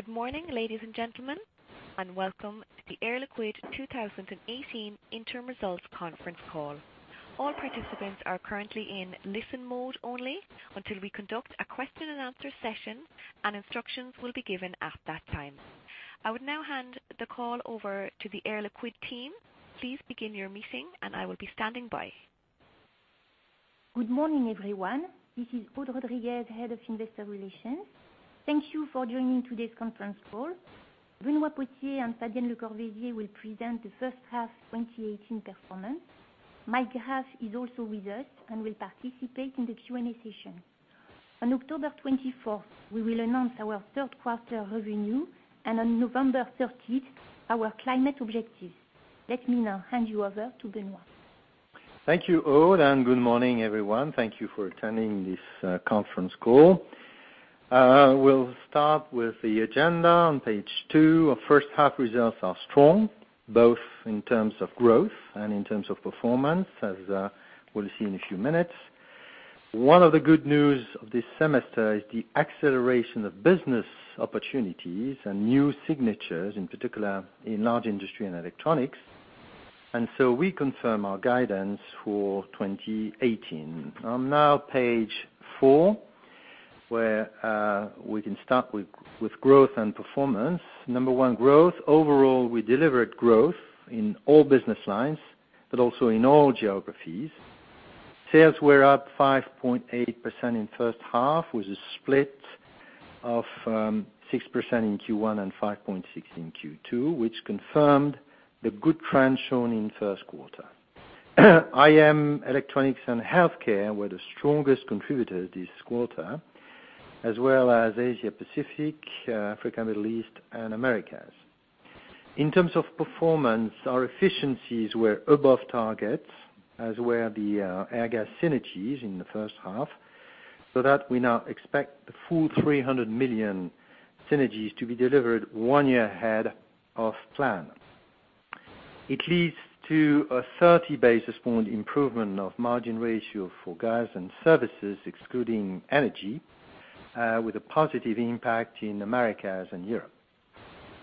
Good morning, ladies and gentlemen. Welcome to the L'Air Liquide 2018 Interim Results Conference Call. All participants are currently in listen mode only until we conduct a question and answer session. Instructions will be given at that time. I would now hand the call over to the L'Air Liquide team. Please begin your meeting. I will be standing by. Good morning, everyone. This is Aude Rodriguez, Head of Investor Relations. Thank you for joining today's conference call. Benoît Potier and Fabienne Lecorvaisier will present the first half 2018 performance. Mike Graff is also with us and will participate in the Q&A session. On October 24th, we will announce our third quarter revenue. On November 30th, our climate objectives. Let me now hand you over to Benoît. Thank you, Aude. Good morning, everyone. Thank you for attending this conference call. We will start with the agenda on page two. Our first half results are strong, both in terms of growth and in terms of performance, as we will see in a few minutes. One of the good news of this semester is the acceleration of business opportunities and new signatures, in particular in large industry and electronics. We confirm our guidance for 2018. Now, page four, where we can start with growth and performance. Number one, growth. Overall, we delivered growth in all business lines. Also in all geographies. Sales were up 5.8% in the first half, with a split of 6% in Q1 and 5.6% in Q2, which confirmed the good trend shown in the first quarter. IM, Electronics and Home Healthcare were the strongest contributors this quarter, as well as Asia Pacific, Africa, Middle East, and Americas. In terms of performance, our efficiencies were above target, as were the Airgas synergies in the first half, so that we now expect the full $300 million synergies to be delivered one year ahead of plan. It leads to a 30 basis point improvement of margin ratio for gas and services excluding energy, with a positive impact in Americas and Europe.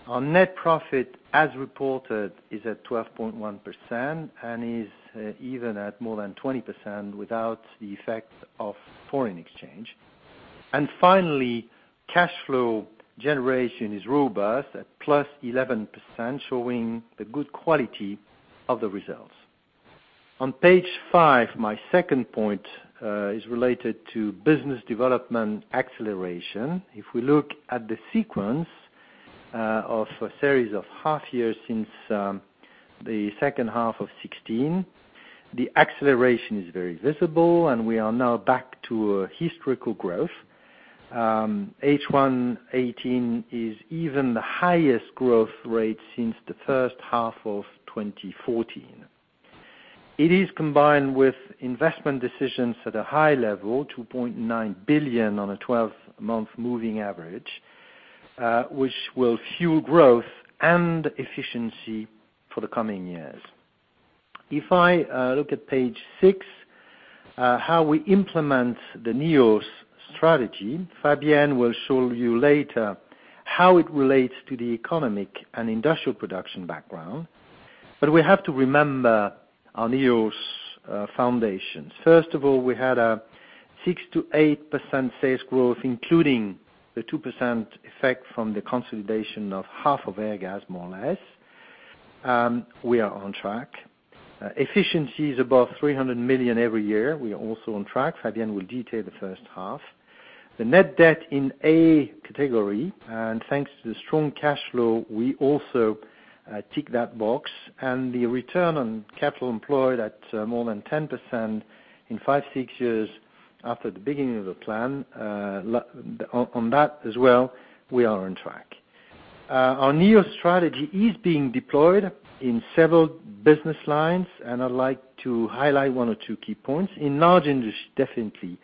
Our net profit, as reported, is at 12.1% and is even at more than 20% without the effect of foreign exchange. Finally, cash flow generation is robust at plus 11%, showing the good quality of the results. On page five, my second point is related to business development acceleration. If we look at the sequence of a series of half years since the second half of 2016, the acceleration is very visible and we are now back to a historical growth. H1 2018 is even the highest growth rate since the first half of 2014. It is combined with investment decisions at a high level, 2.9 billion on a 12-month moving average, which will fuel growth and efficiency for the coming years. If I look at page six, how we implement the NEOS strategy. Fabienne will show you later how it relates to the economic and industrial production background. We have to remember our NEOS foundations. First of all, we had a 6%-8% sales growth, including the 2% effect from the consolidation of half of Airgas, more or less. We are on track. Efficiency is above 300 million every year. We are also on track. Fabienne will detail the first half. The net debt in A category, and thanks to the strong cash flow, we also tick that box, and the return on capital employed at more than 10% in five, six years after the beginning of the plan. On that as well, we are on track. Our new strategy is being deployed in several business lines. I'd like to highlight one or two key points. In large industry, definitely.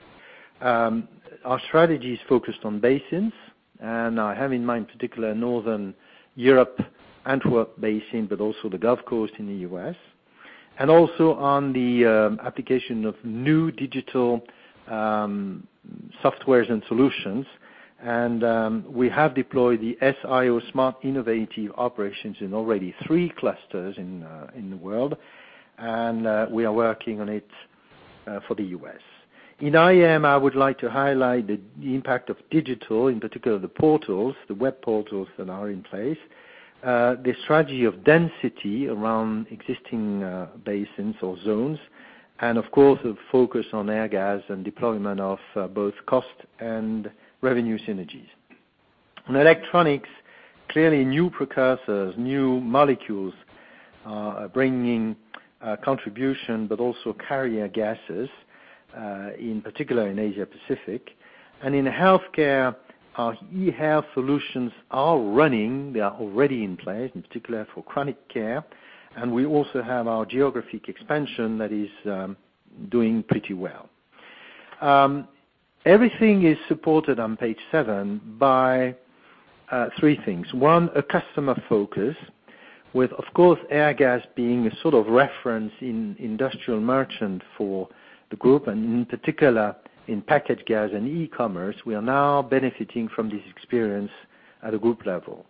Our strategy is focused on basins, and I have in mind, particular Northern Europe, Antwerp basin, but also the Gulf Coast in the U.S. Also on the application of new digital softwares and solutions. We have deployed the SIO, Smart Innovative Operations, in already three clusters in the world. We are working on it for the U.S. In IM, I would like to highlight the impact of digital, in particular the portals, the web portals that are in place. The strategy of density around existing basins or zones, and of course, the focus on Airgas and deployment of both cost and revenue synergies. In electronics, clearly new precursors, new molecules are bringing contribution, but also carrier gases, in particular in Asia Pacific. In healthcare, our e-health solutions are running. They are already in place, in particular for chronic care. We also have our geographic expansion that is doing pretty well. Everything is supported on page seven by three things. One, a customer focus. With, of course, Airgas being a sort of reference in industrial merchant for the group, and in particular in packaged gas and e-commerce, we are now benefiting from this experience at a group level.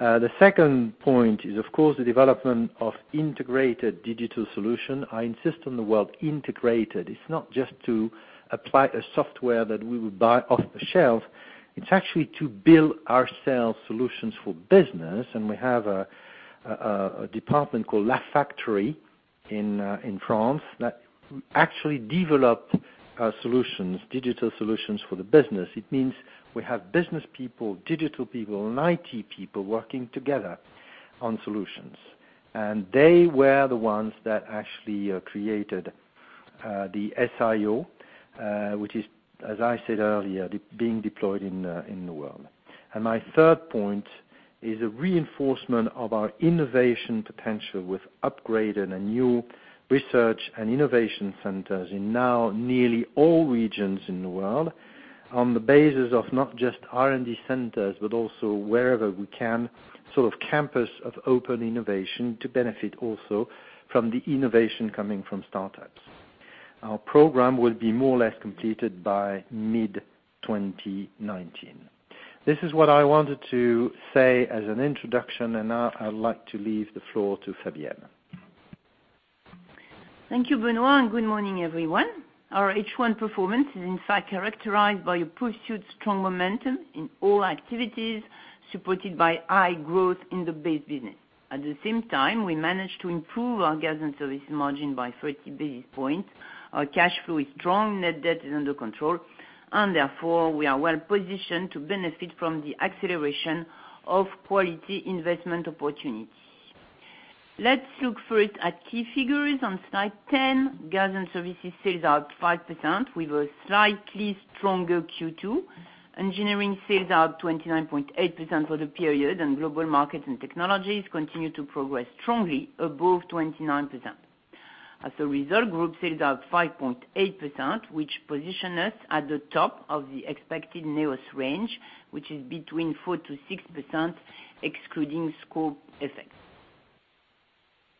The second point is, of course, the development of integrated digital solution. I insist on the word integrated. It's not just to apply a software that we would buy off the shelf. It's actually to build our sales solutions for business. We have a department called La Factory in France that actually develop solutions, digital solutions for the business. It means we have business people, digital people, and IT people working together on solutions. They were the ones that actually created, the SIO, which is, as I said earlier, being deployed in the world. My third point is a reinforcement of our innovation potential with upgraded and new research and innovation centers in now nearly all regions in the world, on the basis of not just R&D centers, but also wherever we can, sort of campus of open innovation to benefit also from the innovation coming from startups. Our program will be more or less completed by mid-2019. This is what I wanted to say as an introduction. Now I'd like to leave the floor to Fabienne. Thank you, Benoît, and good morning, everyone. Our H1 performance is in fact characterized by a pursued strong momentum in all activities, supported by high growth in the base business. At the same time, we managed to improve our gas and services margin by 30 basis points. Our cash flow is strong, net debt is under control. Therefore, we are well positioned to benefit from the acceleration of quality investment opportunities. Let's look first at key figures on slide 10. Gas and services sales are up 5%, with a slightly stronger Q2. Engineering sales are up 29.8% for the period. Global markets and technologies continue to progress strongly above 29%. As a result, group sales are up 5.8%, which position us at the top of the expected NEOS range, which is between 4%-6% excluding scope effects.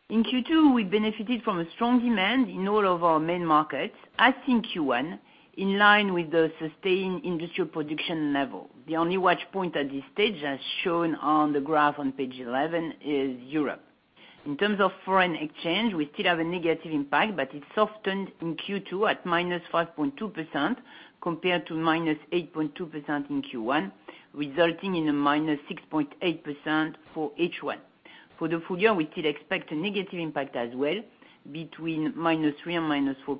In Q2, we benefited from a strong demand in all of our main markets, as in Q1, in line with the sustained industrial production level. The only watch point at this stage, as shown on the graph on page 11, is Europe. In terms of foreign exchange, we still have a negative impact. It softened in Q2 at -5.2%, compared to -8.2% in Q1, resulting in a -6.8% for H1. For the full year, we still expect a negative impact as well, between -3% and -4%.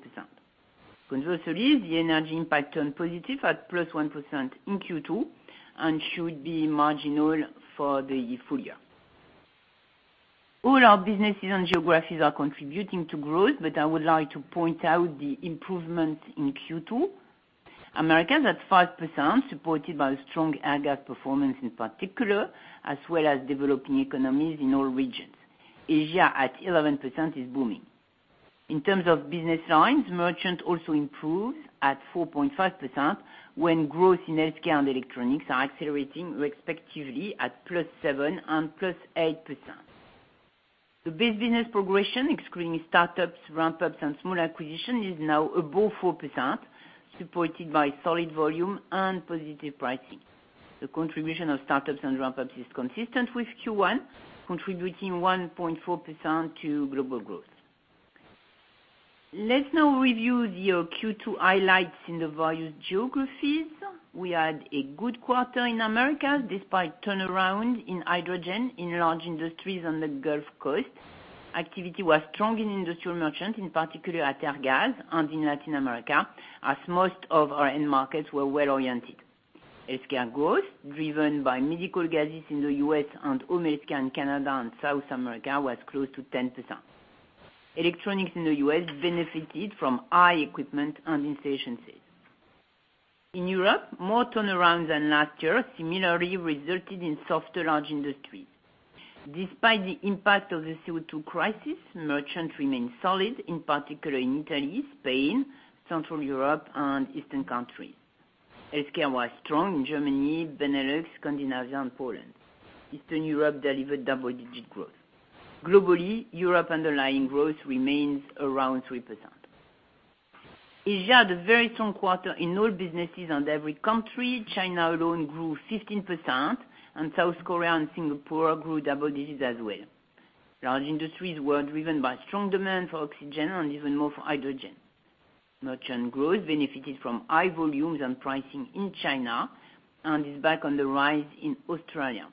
Conversely, the energy impact turned positive at +1% in Q2, should be marginal for the full year. All our businesses and geographies are contributing to growth. I would like to point out the improvement in Q2. Americas at 5%, supported by strong Airgas performance in particular, as well as developing economies in all regions. Asia at 11% is booming. In terms of business lines, merchant also improves at 4.5%, when growth in healthcare and electronics are accelerating respectively at +7% and +8%. The base business progression, excluding startups, ramp-ups, and small acquisition, is now above 4%, supported by solid volume and positive pricing. The contribution of startups and ramp-ups is consistent with Q1, contributing 1.4% to global growth. Let's now review the Q2 highlights in the various geographies. We had a good quarter in Americas, despite turnaround in hydrogen in large industries on the Gulf Coast. Activity was strong in industrial merchant, in particular at Airgas and in Latin America, as most of our end markets were well-oriented. Healthcare growth, driven by medical gases in the U.S. and Home Healthcare in Canada and South America, was close to 10%. Electronics in the U.S. benefited from high equipment and installation sales. In Europe, more turnaround than last year similarly resulted in softer large industry. Despite the impact of the CO2 crisis, merchant remained solid, in particular in Italy, Spain, Central Europe, and Eastern countries. Healthcare was strong in Germany, Benelux, Scandinavia, and Poland. Eastern Europe delivered double-digit growth. Globally, Europe underlying growth remains around 3%. Asia had a very strong quarter in all businesses and every country. China alone grew 15%, and South Korea and Singapore grew double digits as well. Large industries were driven by strong demand for oxygen and even more for hydrogen. Merchant growth benefited from high volumes and pricing in China, and is back on the rise in Australia.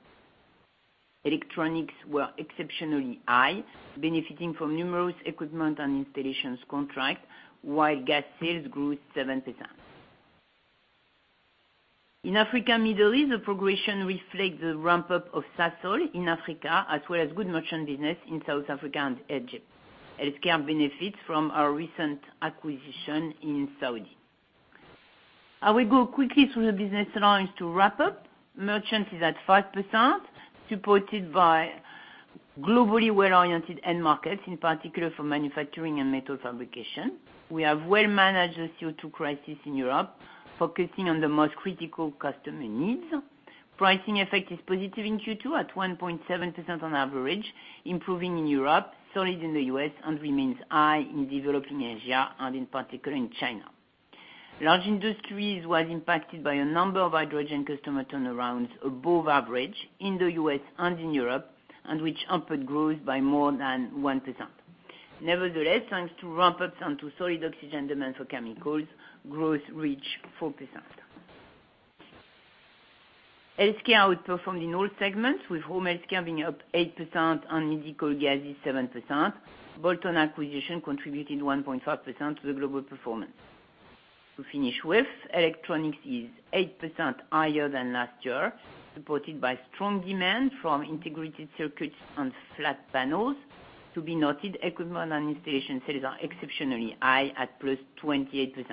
Electronics were exceptionally high, benefiting from numerous equipment and installations contract, while gas sales grew 7%. In Africa and Middle East, the progression reflects the ramp-up of Sasol in Africa, as well as good merchant business in South Africa and Egypt. Healthcare benefits from our recent acquisition in Saudi. I will go quickly through the business lines to wrap up. Merchant is at 5%, supported by globally well-oriented end markets, in particular for manufacturing and metal fabrication. We have well managed the CO2 crisis in Europe, focusing on the most critical customer needs. Pricing effect is positive in Q2 at 1.7% on average, improving in Europe, solid in the U.S., and remains high in developing Asia, and in particular, in China. Large Industries was impacted by a number of hydrogen customer turnarounds above average in the U.S. and in Europe, and which upward grows by more than 1%. Nevertheless, thanks to ramp-ups and to solid oxygen demand for chemicals, growth reached 4%. Healthcare outperformed in all segments, with Home Healthcare being up 8% and medical gases 7%. Bolt-on acquisition contributed 1.5% to the global performance. To finish with, electronics is 8% higher than last year, supported by strong demand from integrated circuits and flat panels. To be noted, equipment and installation sales are exceptionally high at +28%.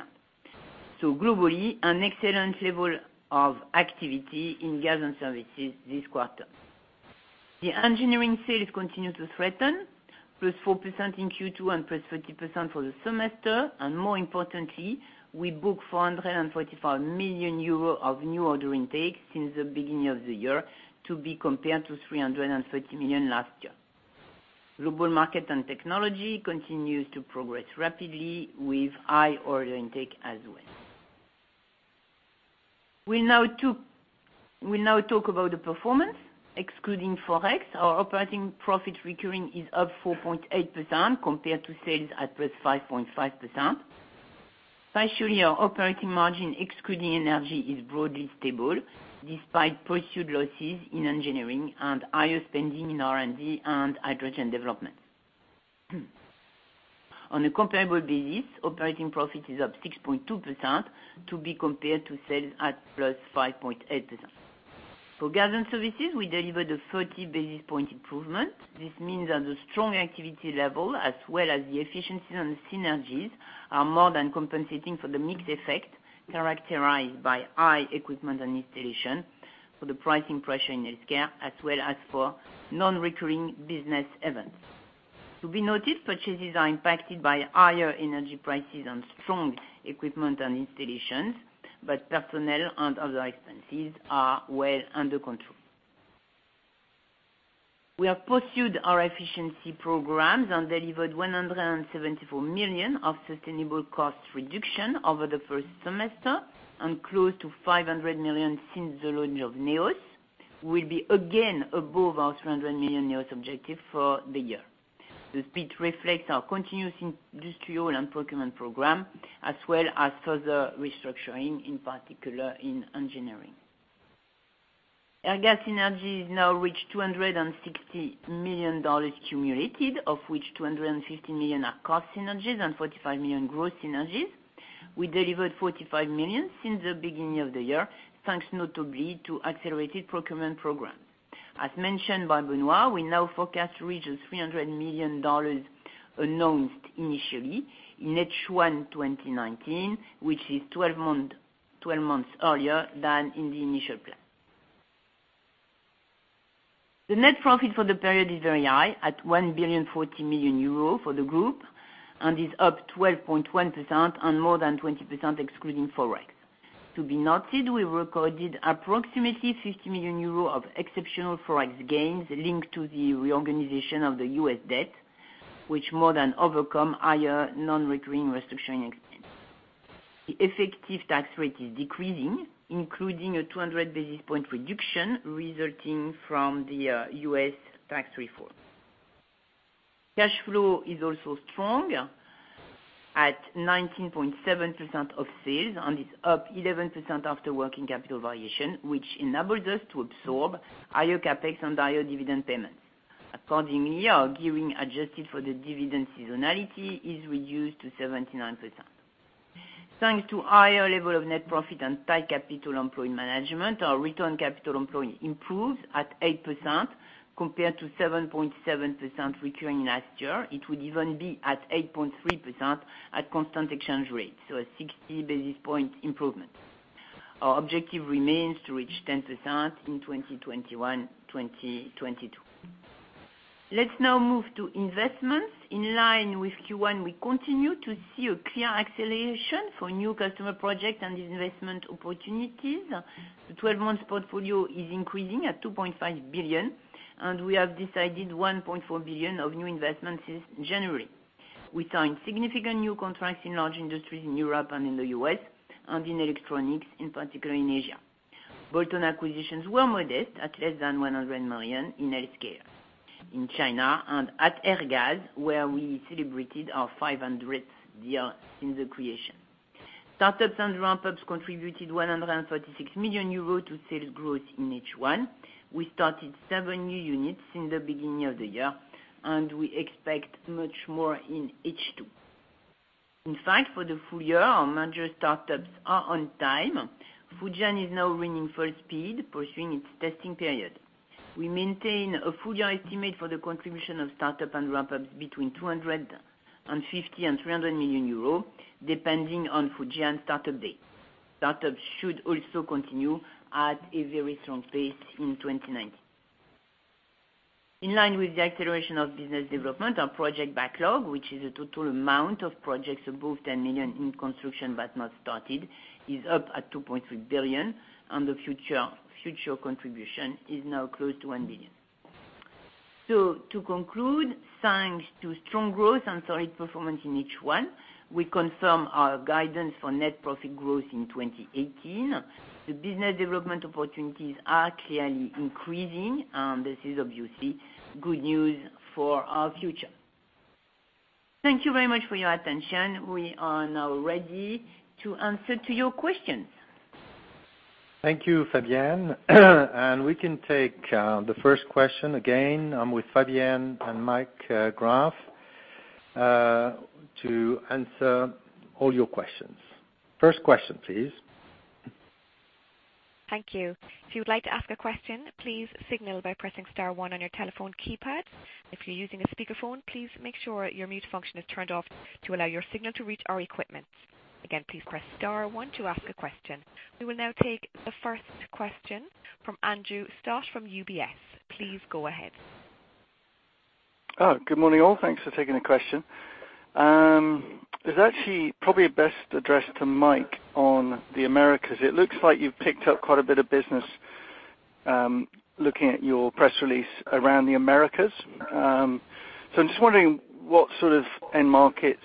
Globally, an excellent level of activity in Gas and Services this quarter. The engineering sales continue to strengthen, +4% in Q2 and +30% for the semester, and more importantly, we booked 445 million euros of new order intake since the beginning of the year, to be compared to 330 million last year. Global Market and Technology continues to progress rapidly with high order intake as well. We'll now talk about the performance. Excluding Forex, our operating profit recurring is up 4.8% compared to sales at +5.5%. Especially our operating margin excluding energy is broadly stable, despite pursued losses in engineering and higher spending in R&D and hydrogen development. On a comparable basis, operating profit is up 6.2%, to be compared to sales at +5.8%. For Gas and Services, we delivered a 30 basis points improvement. This means that the strong activity level, as well as the efficiency and synergies, are more than compensating for the mixed effect characterized by high equipment and installation, for the pricing pressure in healthcare, as well as for non-recurring business events. To be noted, purchases are impacted by higher energy prices and strong equipment and installations, but personnel and other expenses are well under control. We have pursued our efficiency programs and delivered 174 million of sustainable cost reduction over the first semester, and close to 500 million since the launch of NEOS. We will be again above our 300 million NEOS objective for the year. The speed reflects our continuous industrial and procurement program as well as further restructuring, in particular, in engineering. Airgas synergies now reach $260 million cumulative, of which $250 million are cost synergies and $45 million growth synergies. We delivered $45 million since the beginning of the year, thanks notably to accelerated procurement program. As mentioned by Benoît, we now forecast to reach the $300 million announced initially in H1 2019, which is 12 months earlier than in the initial plan. The net profit for the period is very high at 1,040 million euros for the group and is up 12.1% and more than 20% excluding Forex. To be noted, we recorded approximately 50 million euros of exceptional Forex gains linked to the reorganization of the U.S. debt, which more than overcome higher non-recurring restructuring expense. The effective tax rate is decreasing, including a 200 basis point reduction resulting from the U.S. tax reform. Cash flow is also strong at 19.7% of sales and is up 11% after working capital variation, which enables us to absorb higher CapEx and higher dividend payments. Accordingly, our gearing adjusted for the dividend seasonality is reduced to 79%. Thanks to higher level of net profit and tight capital employment management, our return on capital employed improved at 8% compared to 7.7% recurring last year. It would even be at 8.3% at constant exchange rate, so a 60 basis point improvement. Our objective remains to reach 10% in 2021, 2022. Let's now move to investments. In line with Q1, we continue to see a clear acceleration for new customer projects and investment opportunities. The 12 months portfolio is increasing at 2.5 billion. We have decided 1.4 billion of new investments since January. We signed significant new contracts in large industries in Europe and in the U.S., in electronics, in particular in Asia. Bolt-on acquisitions were modest at less than 100 million in healthcare, in China, and at Airgas, where we celebrated our 500th year since the creation. Startups and ramp-ups contributed 146 million euros to sales growth in H1. We started seven new units since the beginning of the year. We expect much more in H2. In fact, for the full year, our major startups are on time. Fujian is now running full speed, pursuing its testing period. We maintain a full year estimate for the contribution of startup and ramp-ups between 250 million-300 million euros, depending on Fujian startup date. Startups should also continue at a very strong pace in 2019. In line with the acceleration of business development, our project backlog, which is the total amount of projects above 10 million in construction but not started, is up at 2.3 billion. The future contribution is now close to 1 billion. To conclude, thanks to strong growth and solid performance in H1, we confirm our guidance for net profit growth in 2018. The business development opportunities are clearly increasing. This is obviously good news for our future. Thank you very much for your attention. We are now ready to answer to your questions. Thank you, Fabienne. We can take the first question. Again, I'm with Fabienne and Mike Graff to answer all your questions. First question, please. Thank you. If you would like to ask a question, please signal by pressing star one on your telephone keypad. If you're using a speakerphone, please make sure your mute function is turned off to allow your signal to reach our equipment. Again, please press star one to ask a question. We will now take the first question from Andrew Stott from UBS. Please go ahead. Good morning, all. Thanks for taking the question. It's actually probably best addressed to Mike on the Americas. It looks like you've picked up quite a bit of business, looking at your press release around the Americas. I'm just wondering what sort of end markets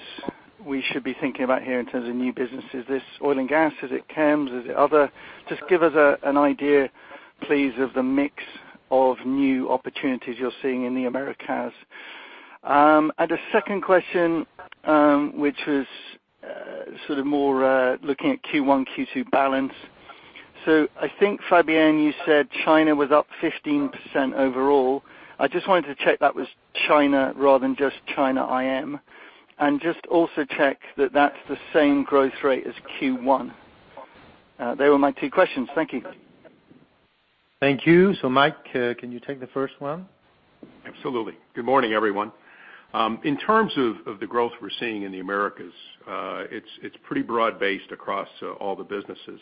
we should be thinking about here in terms of new business. Is this oil and gas? Is it chems? Is it other? Just give us an idea, please, of the mix of new opportunities you're seeing in the Americas. A second question, which is more looking at Q1, Q2 balance. I think, Fabienne, you said China was up 15% overall. I just wanted to check that was China rather than just China IM. And just also check that that's the same growth rate as Q1. They were my two questions. Thank you. Thank you. Mike, can you take the first one? Absolutely. Good morning, everyone. In terms of the growth we're seeing in the Americas, it's pretty broad-based across all the businesses.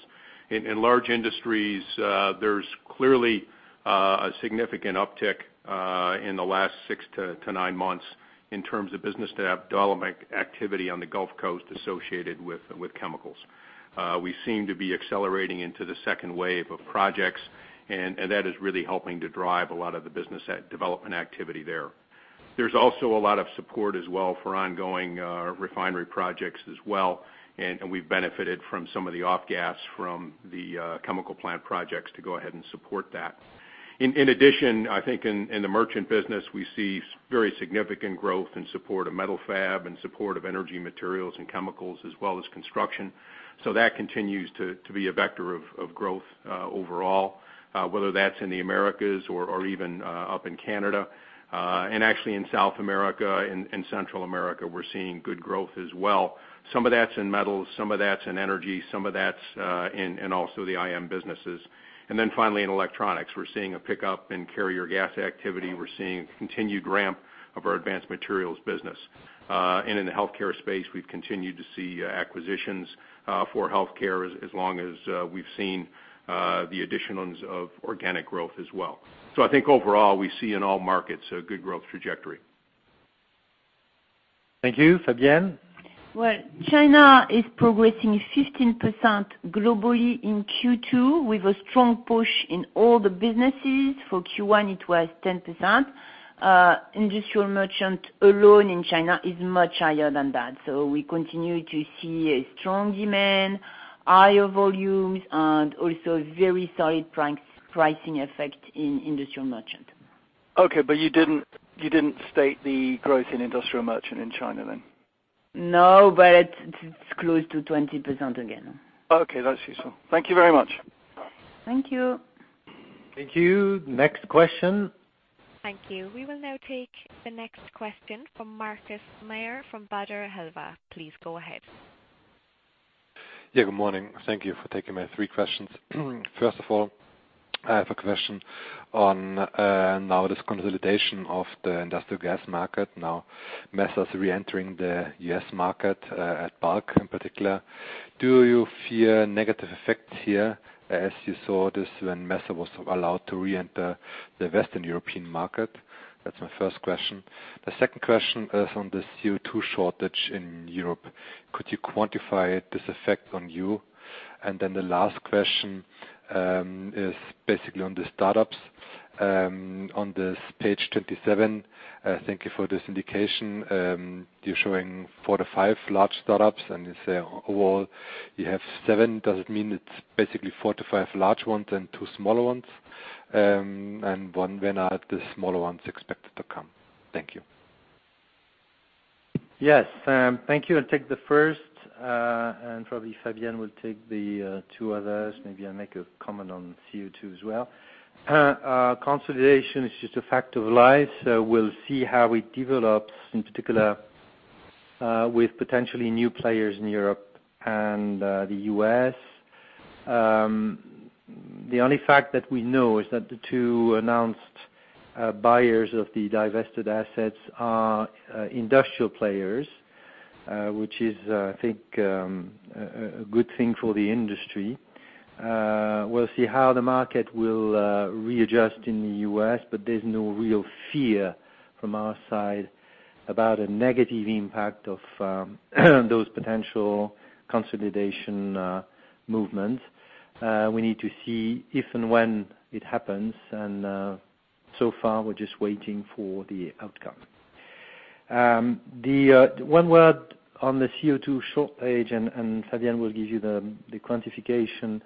In Large Industries, there's clearly a significant uptick in the last six to nine months in terms of business development activity on the Gulf Coast associated with chemicals. We seem to be accelerating into the second wave of projects, and that is really helping to drive a lot of the business development activity there. There's also a lot of support as well for ongoing refinery projects as well, and we've benefited from some of the off-gas from the chemical plant projects to go ahead and support that. In addition, I think in the merchant business, we see very significant growth in support of metal fab and support of energy materials and chemicals, as well as construction. That continues to be a vector of growth overall, whether that's in the Americas or even up in Canada. Actually in South America and Central America, we're seeing good growth as well. Some of that's in metals, some of that's in energy, some of that's in also the IM businesses. Finally, in electronics. We're seeing a pickup in carrier gas activity. We're seeing continued ramp of our advanced materials business. In the healthcare space, we've continued to see acquisitions for healthcare as long as we've seen the additions of organic growth as well. I think overall, we see in all markets a good growth trajectory. Thank you. Fabienne? Well, China is progressing 15% globally in Q2 with a strong push in all the businesses. For Q1, it was 10%. Industrial Merchant alone in China is much higher than that. We continue to see a strong demand, higher volumes, and also very solid pricing effect in Industrial Merchant. Okay, you didn't state the growth in industrial merchant in China then? No, it's close to 20% again. Okay. That's useful. Thank you very much. Thank you. Thank you. Next question. Thank you. We will now take the next question from Markus Mayer from Baader Helvea. Please go ahead. Good morning. Thank you for taking my three questions. First of all, I have a question on this consolidation of the industrial gas market. Now Messer's reentering the U.S. market at bulk in particular. Do you fear negative effects here as you saw this when Messer was allowed to reenter the Western European market? That's my first question. The second question is on the CO2 shortage in Europe. Could you quantify this effect on you? The last question is basically on the startups. On this page 27, thank you for this indication, you're showing four to five large startups, and you say overall you have seven. Does it mean it's basically four to five large ones and two smaller ones? And when are the smaller ones expected to come? Thank you. Yes. Thank you. I'll take the first, and probably Fabienne will take the two others. Maybe I'll make a comment on CO2 as well. Consolidation is just a fact of life. We'll see how it develops, in particular with potentially new players in Europe and the U.S. The only fact that we know is that the two announced buyers of the divested assets are industrial players which is, I think, a good thing for the industry. We'll see how the market will readjust in the U.S., but there's no real fear from our side about a negative impact of those potential consolidation movements. We need to see if and when it happens. So far, we're just waiting for the outcome. One word on the CO2 shortage, and Fabienne will give you the quantification.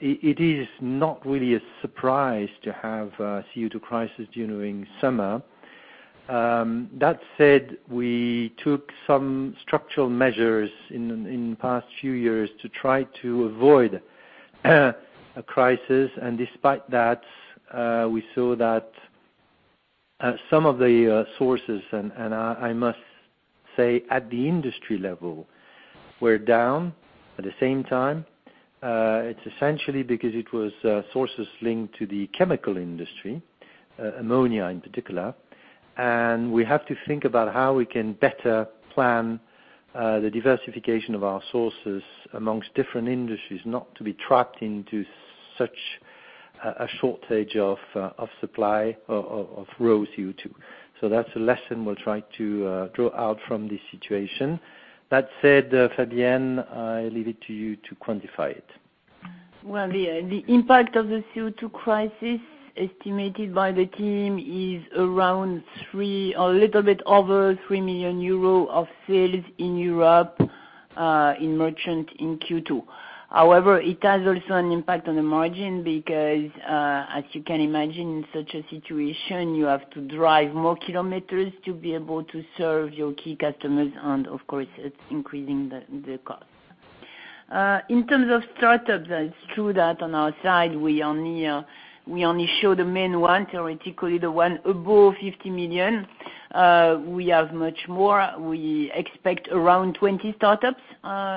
It is not really a surprise to have a CO2 crisis during summer. That said, we took some structural measures in past few years to try to avoid a crisis. Despite that, we saw that some of the sources, and I must say at the industry level, were down at the same time. It is essentially because it was sources linked to the chemical industry, ammonia in particular. We have to think about how we can better plan the diversification of our sources amongst different industries, not to be trapped into such a shortage of supply of raw CO2. That is a lesson we will try to draw out from this situation. That said, Fabienne, I leave it to you to quantify it. Well, the impact of the CO2 crisis estimated by the team is a little bit over 3 million euros of sales in Europe, in merchant, in Q2. However, it has also an impact on the margin because, as you can imagine, in such a situation, you have to drive more kilometers to be able to serve your key customers and, of course, it is increasing the cost. In terms of startups, it is true that on our side, we only show the main one, theoretically the one above 50 million. We have much more. We expect around 20 startups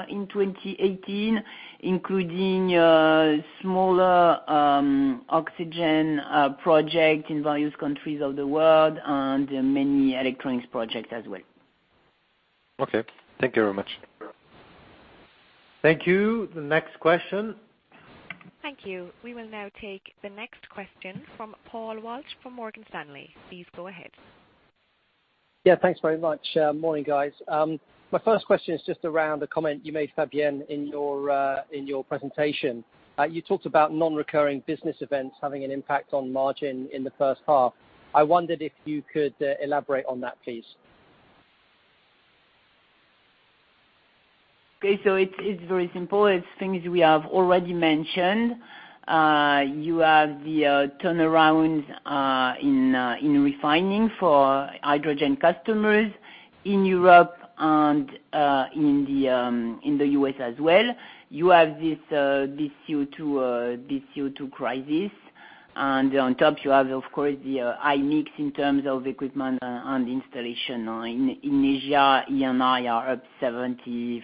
in 2018, including a smaller oxygen project in various countries of the world and many electronics projects as well. Okay. Thank you very much. Thank you. The next question. Thank you. We will now take the next question from Paul Walsh from Morgan Stanley. Please go ahead. Yeah, thanks very much. Morning, guys. My first question is just around a comment you made, Fabienne, in your presentation. You talked about non-recurring business events having an impact on margin in the first half. I wondered if you could elaborate on that, please. Okay. It's very simple. It's things we have already mentioned. You have the turnaround in refining for hydrogen customers in Europe and in the U.S. as well. You have this CO2 crisis, and on top you have, of course, the high mix in terms of equipment and installation. In Asia, E&I are up 75% in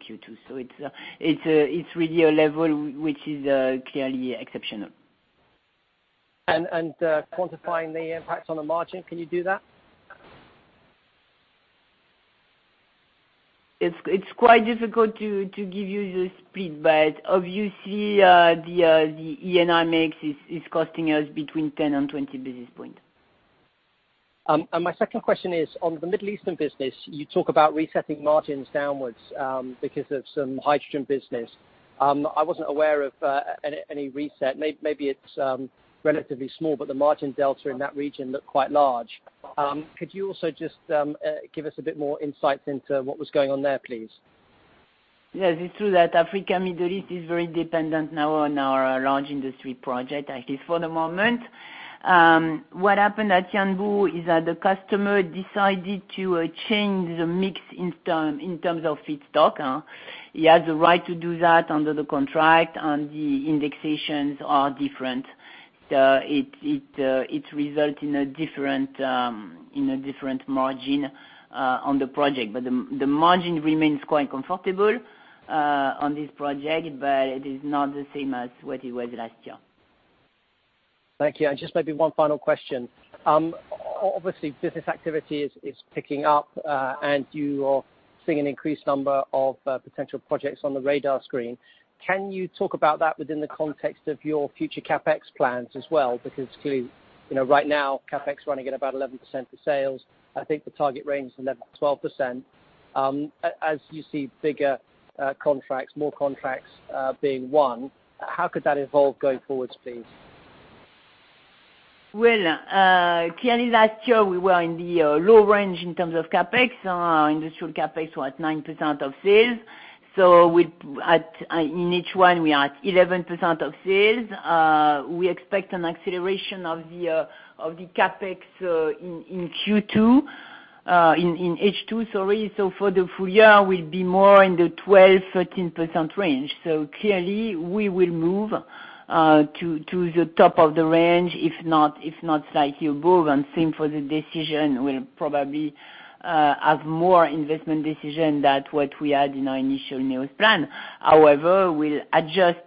Q2. It's really a level which is clearly exceptional. Quantifying the impact on the margin, can you do that? It's quite difficult to give you the split, but obviously, the E&I mix is costing us between 10 and 20 basis points. My second question is on the Middle Eastern business. You talk about resetting margins downwards because of some hydrogen business. I wasn't aware of any reset. Maybe it's relatively small, but the margin delta in that region look quite large. Could you also just give us a bit more insights into what was going on there, please? Yes, it's true that Africa, Middle East is very dependent now on our large industry project, at least for the moment. What happened at Yanbu is that the customer decided to change the mix in terms of feedstock. He has the right to do that under the contract, the indexations are different. It result in a different margin on the project. The margin remains quite comfortable on this project, but it is not the same as what it was last year. Thank you. Just maybe one final question. Obviously, business activity is picking up, and you are seeing an increased number of potential projects on the radar screen. Can you talk about that within the context of your future CapEx plans as well? Because clearly, right now, CapEx running at about 11% of sales. I think the target range is 11%-12%. As you see bigger contracts, more contracts being won, how could that evolve going forwards, please? Clearly last year we were in the low range in terms of CapEx. Our industrial CapEx was 9% of sales. In H1, we are at 11% of sales. We expect an acceleration of the CapEx in Q2, in H2, sorry. For the full year, we'll be more in the 12%-13% range. Clearly, we will move to the top of the range, if not slightly above. Same for the decision, we'll probably have more investment decision than what we had in our initial news plan. However, we'll adjust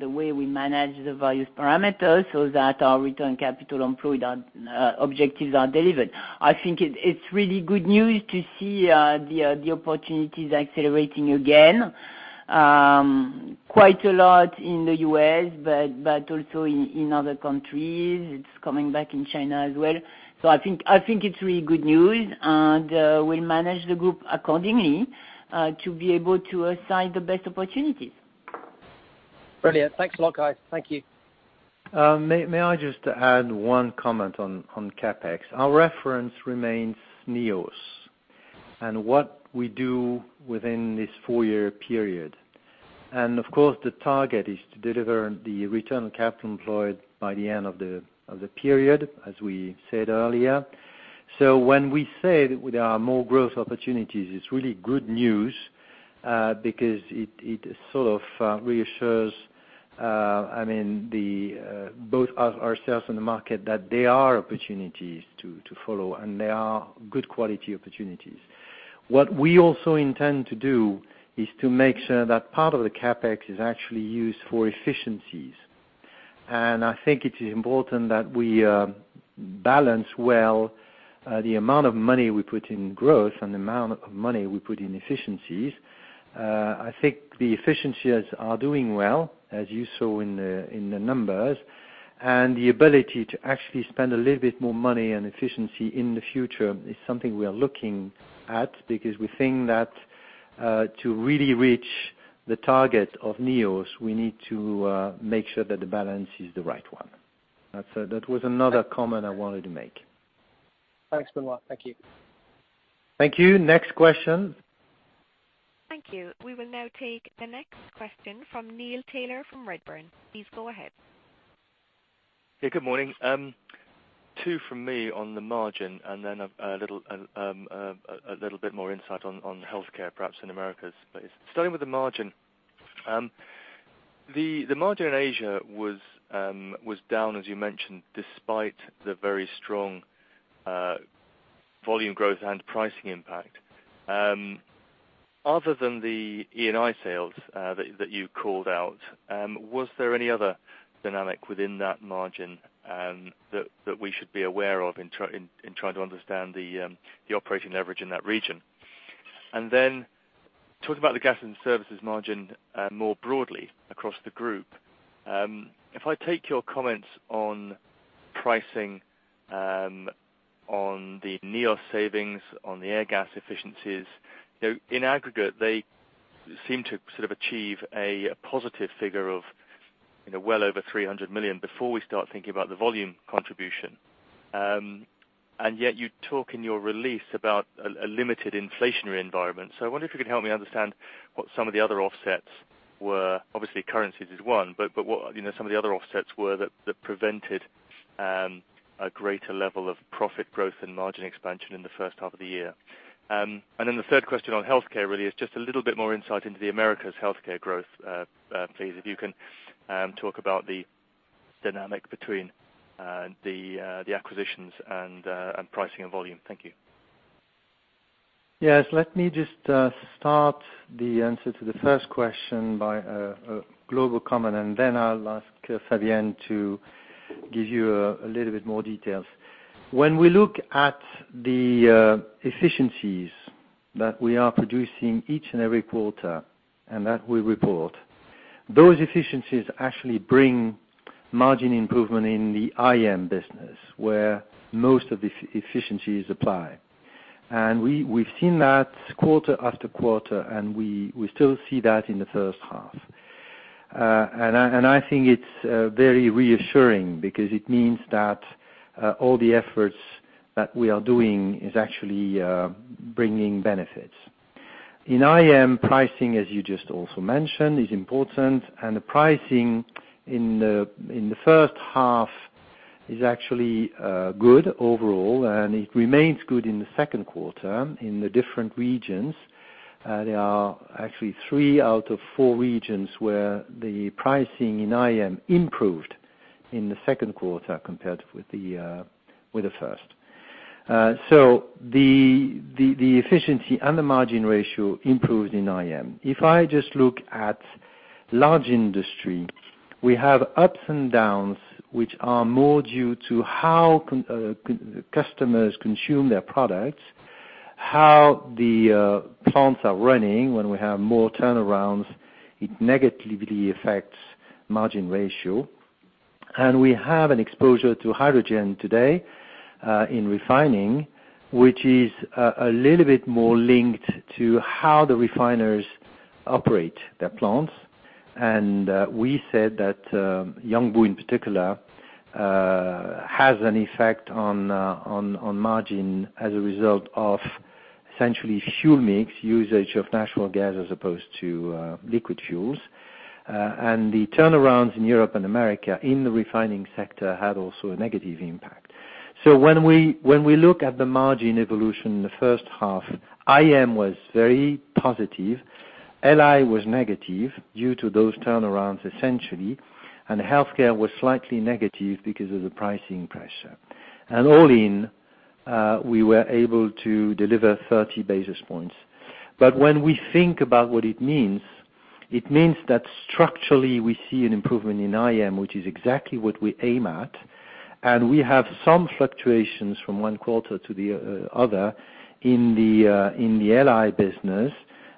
the way we manage the various parameters so that our return capital on employed objectives are delivered. I think it's really good news to see the opportunities accelerating again. Quite a lot in the U.S., but also in other countries. It's coming back in China as well. I think it's really good news, we'll manage the group accordingly, to be able to assign the best opportunities. Brilliant. Thanks a lot, guys. Thank you. May I just add one comment on CapEx? Our reference remains NEOS and what we do within this 4-year period. Of course, the target is to deliver the return on capital employed by the end of the period, as we said earlier. When we said there are more growth opportunities, it's really good news, because it sort of reassures both ourselves and the market that there are opportunities to follow, and they are good quality opportunities. What we also intend to do is to make sure that part of the CapEx is actually used for efficiencies. I think it is important that we balance well the amount of money we put in growth and the amount of money we put in efficiencies. I think the efficiencies are doing well, as you saw in the numbers. The ability to actually spend a little bit more money on efficiency in the future is something we are looking at because we think that to really reach the target of NEOS, we need to make sure that the balance is the right one. That was another comment I wanted to make. Thanks, Benoît. Thank you. Thank you. Next question. Thank you. We will now take the next question from Neil Tyler from Redburn. Please go ahead. Hey, good morning. 2 from me on the margin and then a little bit more insight on the healthcare perhaps in Americas. Starting with the margin. The margin in Asia was down, as you mentioned, despite the very strong volume growth and pricing impact. Other than the E&I sales that you called out, was there any other dynamic within that margin that we should be aware of in trying to understand the operating leverage in that region? Talking about the gas and services margin more broadly across the group. If I take your comments on pricing on the NEOS savings on the Airgas efficiencies, in aggregate they seem to sort of achieve a positive figure of well over 300 million before we start thinking about the volume contribution. You talk in your release about a limited inflationary environment. I wonder if you could help me understand what some of the other offsets were. Obviously, currencies is one, what some of the other offsets were that prevented a greater level of profit growth and margin expansion in the 1st half of the year? The 3rd question on healthcare really is just a little bit more insight into the Americas healthcare growth please, if you can talk about the dynamic between the acquisitions and pricing and volume. Thank you. Yes. Let me just start the answer to the 1st question by a global comment, I'll ask Fabienne to give you a little bit more details. When we look at the efficiencies that we are producing each and every quarter, and that we report, those efficiencies actually bring margin improvement in the IM business where most of the efficiencies apply. We've seen that quarter after quarter, and we still see that in the 1st half. I think it's very reassuring because it means that all the efforts that we are doing is actually bringing benefits. In IM, pricing, as you just also mentioned, is important, the pricing in the 1st half is actually good overall, and it remains good in the 2nd quarter in the different regions. There are actually 3 out of 4 regions where the pricing in IM improved in the 2nd quarter compared with the 1st. The efficiency and the margin ratio improved in IM. If I just look at large industry, we have ups and downs, which are more due to how customers consume their products, how the plants are running. When we have more turnarounds, it negatively affects margin ratio. We have an exposure to hydrogen today in refining, which is a little bit more linked to how the refiners operate their plants. We said that Yanbu in particular has an effect on margin as a result of essentially fuel mix usage of natural gas as opposed to liquid fuels. The turnarounds in Europe and Americas in the refining sector had also a negative impact. When we look at the margin evolution in the first half, IM was very positive. LI was negative due to those turnarounds, essentially, and healthcare was slightly negative because of the pricing pressure. All in, we were able to deliver 30 basis points. When we think about what it means, it means that structurally we see an improvement in IM, which is exactly what we aim at. We have some fluctuations from one quarter to the other in the LI business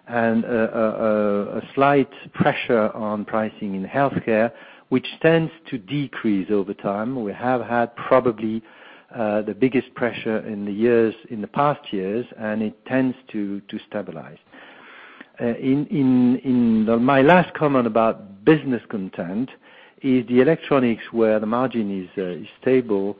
and a slight pressure on pricing in healthcare, which tends to decrease over time. We have had probably the biggest pressure in the past years, and it tends to stabilize. My last comment about business content is the electronics where the margin is stable,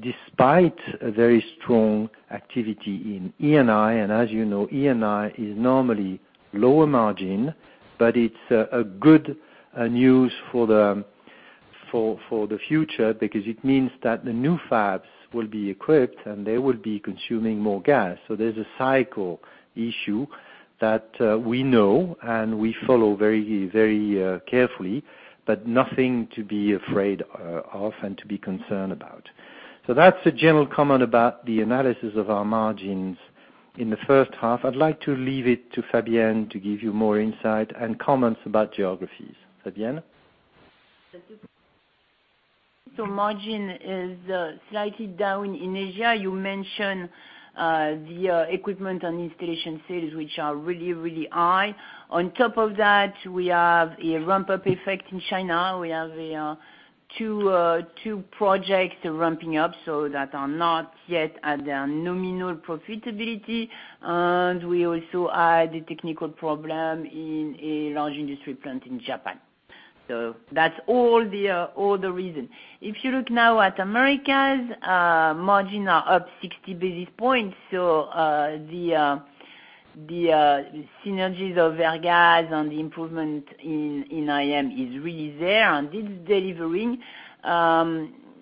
despite a very strong activity in E&I, and as you know, E&I is normally lower margin. It's a good news for the future because it means that the new fabs will be equipped and they will be consuming more gas. There's a cycle issue that we know and we follow very carefully, but nothing to be afraid of and to be concerned about. That's a general comment about the analysis of our margins in the first half. I'd like to leave it to Fabienne to give you more insight and comments about geographies. Fabienne? Margin is slightly down in Asia. You mentioned the equipment and installation sales, which are really, really high. On top of that, we have a ramp-up effect in China. We have two projects ramping up, so that are not yet at their nominal profitability. We also had a technical problem in a large industry plant in Japan. That's all the reason. If you look now at Americas, margin are up 60 basis points. The synergies of Airgas and the improvement in IM is really there and it's delivering.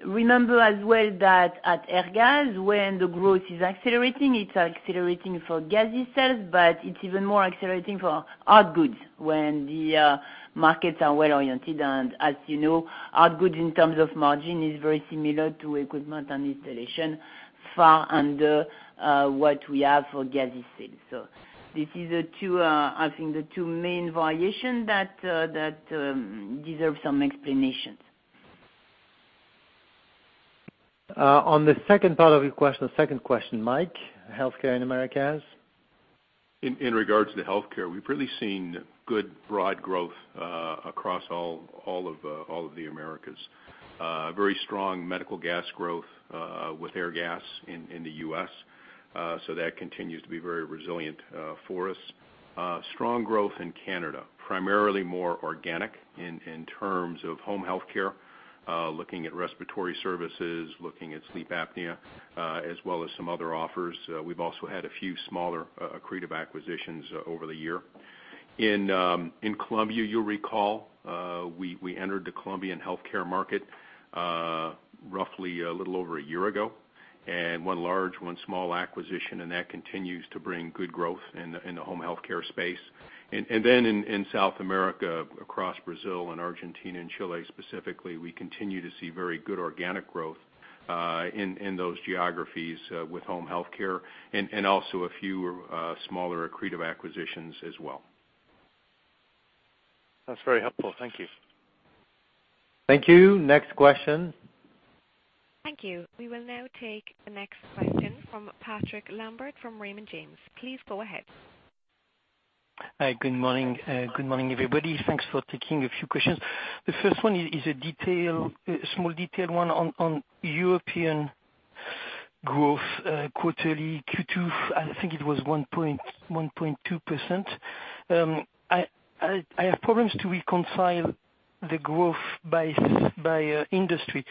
Remember as well that at Airgas, when the growth is accelerating, it's accelerating for gases sales, but it's even more accelerating for our goods when the markets are well-oriented. As you know, our goods in terms of margin is very similar to equipment and installation, far under what we have for gases sales. This is, I think, the two main variation that deserves some explanations. On the second part of your question, the second question, Mike, healthcare in Americas. In regards to healthcare, we've really seen good broad growth across all of the Americas. Very strong medical gas growth with Airgas in the U.S., that continues to be very resilient for us. Strong growth in Canada, primarily more organic in terms of Home Healthcare, looking at respiratory services, looking at sleep apnea, as well as some other offers. We've also had a few smaller accretive acquisitions over the year. In Colombia, you'll recall, we entered the Colombian healthcare market roughly a little over a year ago, one large, one small acquisition, that continues to bring good growth in the Home Healthcare space. In South America, across Brazil and Argentina and Chile specifically, we continue to see very good organic growth in those geographies with Home Healthcare and also a few smaller accretive acquisitions as well. That's very helpful. Thank you. Thank you. Next question. Thank you. We will now take the next question from Patrick Lambert from Raymond James. Please go ahead. Hi. Good morning, everybody. Thanks for taking a few questions. The first one is a small detailed one on European growth quarterly Q2. I think it was 1.2%. I have problems to reconcile the growth by industry,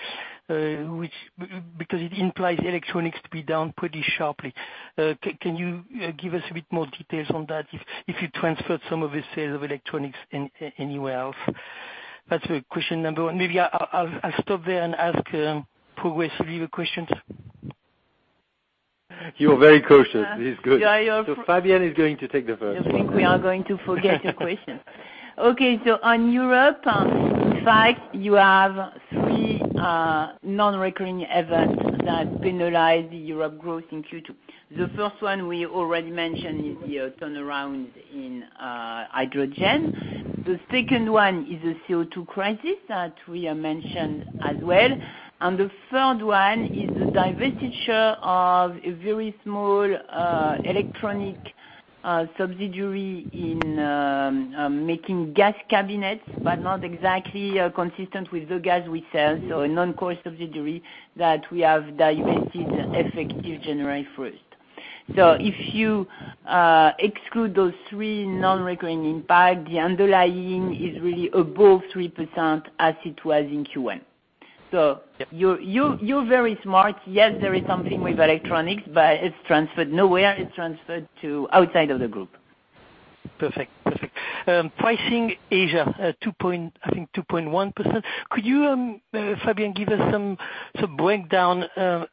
because it implies electronics to be down pretty sharply. Can you give us a bit more details on that, if you transferred some of the sales of electronics anywhere else? That's question number 1. Maybe I'll stop there and ask progressively the questions. You're very cautious. This is good. Yeah, you're- Fabienne is going to take the first. You think we are going to forget your question. On Europe, in fact, you have three non-recurring events that penalize the Europe growth in Q2. The first one we already mentioned is the turnaround in hydrogen. The second one is the CO2 crisis that we mentioned as well. The third one is the divestiture of a very small electronic subsidiary in making gas cabinets, but not exactly consistent with the gas we sell. A non-core subsidiary that we have divested effective January 1st. If you exclude those three non-recurring impact, the underlying is really above 3% as it was in Q1. You're very smart. Yes, there is something with electronics, but it's transferred nowhere. It's transferred to outside of the group. Perfect. Pricing Asia, I think 2.1%. Could you, Fabienne, give us some breakdown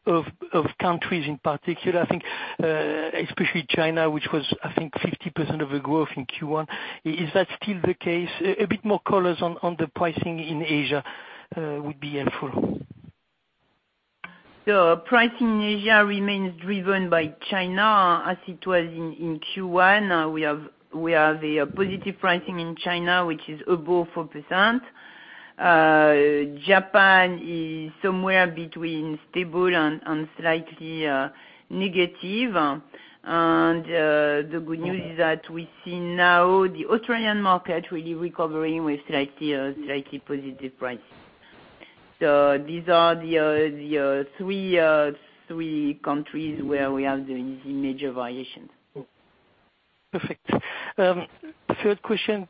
of countries in particular, I think especially China, which was, I think, 50% of the growth in Q1. Is that still the case? A bit more colors on the pricing in Asia would be helpful. Pricing in Asia remains driven by China as it was in Q1. Now we have the positive pricing in China, which is above 4%. Japan is somewhere between stable and slightly negative. The good news is that we see now the Australian market really recovering with slightly positive pricing. These are the three countries where we are doing the major variations. Perfect. Third question,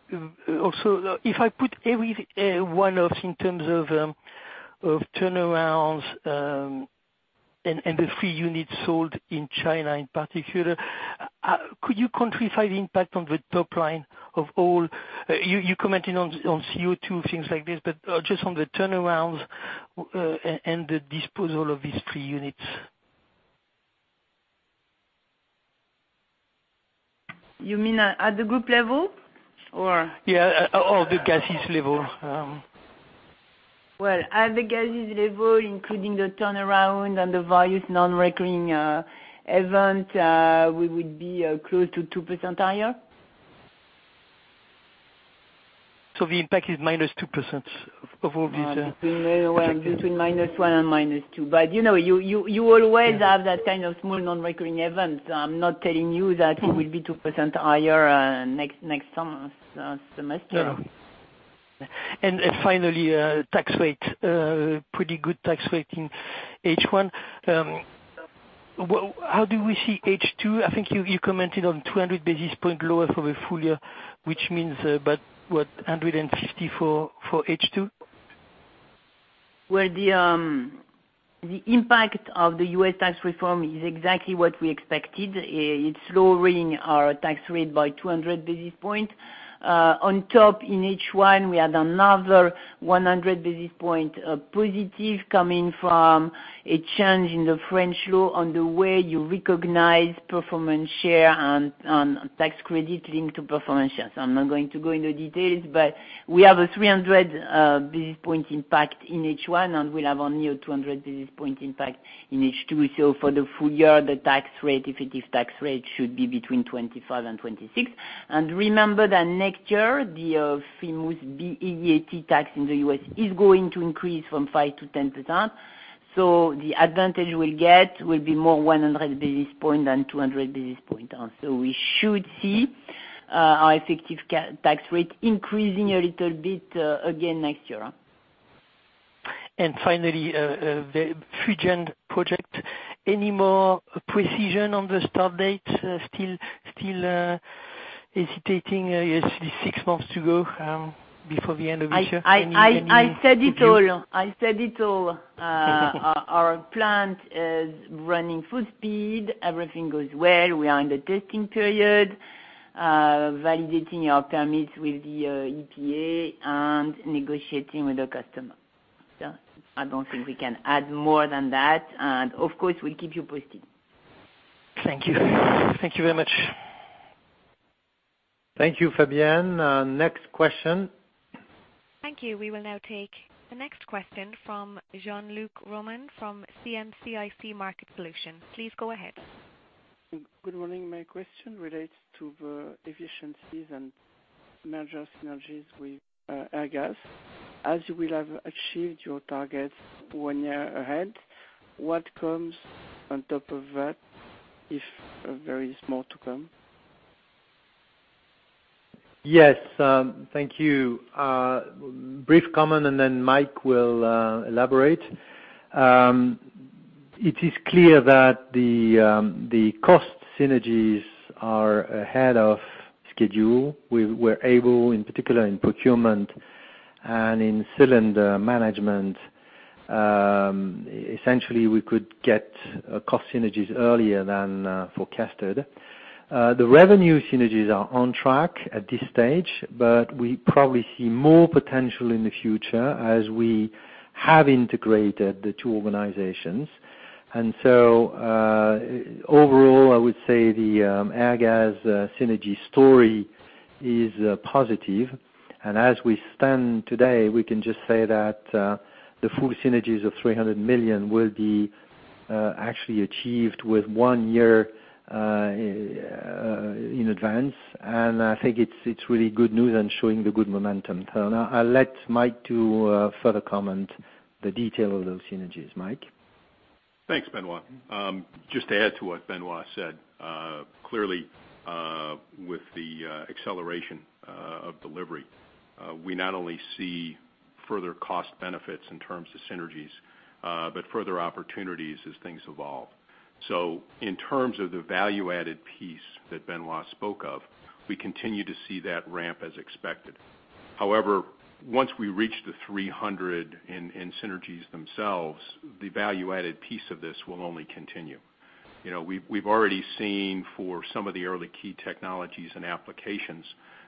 if I put every one of in terms of turnarounds, and the three units sold in China in particular, could you quantify the impact on the top line of all? You commented on CO2, things like this, just on the turnarounds, and the disposal of these three units. You mean at the group level or- Yeah. At all the gases level. Well, at the gases level, including the turnaround and the various non-recurring event, we would be close to 2% higher. The impact is minus 2% of all these- Between -1% and -2%. You always have that kind of small non-recurring event, I'm not telling you that it will be 2% higher next semester. Finally, tax rate. Pretty good tax rate in H1. How do we see H2? I think you commented on 200 basis points lower for the full year, which means about what, 150 basis points for H2? Well, the impact of the U.S. tax reform is exactly what we expected. It's lowering our tax rate by 200 basis points. On top, in H1, we had another 100 basis points positive coming from a change in the French law on the way you recognize performance share and tax credit linked to performance share. I'm not going to go into details, we have a 300 basis points impact in H1, and we'll have only a 200 basis points impact in H2. For the full year, the tax rate, effective tax rate should be between 25% and 26%. Remember that next year, the famous BEAT tax in the U.S. is going to increase from 5% to 10%. The advantage we'll get will be more 100 basis points than 200 basis points. We should see our effective tax rate increasing a little bit again next year. Finally, the Fujian project. Any more precision on the start date? Still hesitating, six months to go before the end of this year. I said it all. Our plant is running full speed. Everything goes well. We are in the testing period, validating our permits with the EPA and negotiating with the customer. I don't think we can add more than that. Of course, we'll keep you posted. Thank you. Thank you very much. Thank you, Fabienne. Next question. Thank you. We will now take the next question from Jean-Luc Romain from CIC Market Solutions. Please go ahead. Good morning. My question relates to the efficiencies and merger synergies with Airgas. As you will have achieved your targets one year ahead, what comes on top of that, if there is more to come? Yes. Thank you. Brief comment. Then Mike will elaborate. It is clear that the cost synergies are ahead of schedule. We were able, in particular in procurement and in cylinder management. Essentially, we could get cost synergies earlier than forecasted. The revenue synergies are on track at this stage, but we probably see more potential in the future as we have integrated the two organizations. Overall, I would say the Airgas synergy story is positive. As we stand today, we can just say that the full synergies of 300 million will be actually achieved with one year in advance. I think it's really good news and showing the good momentum. I'll let Mike do a further comment, the detail of those synergies. Mike? Thanks, Benoît. Just to add to what Benoît said. Clearly, with the acceleration of delivery, we not only see further cost benefits in terms of synergies, but further opportunities as things evolve. In terms of the value-added piece that Benoît spoke of, we continue to see that ramp as expected. However, once we reach the $300 million in synergies themselves, the value-added piece of this will only continue. We've already seen for some of the early key technologies and applications,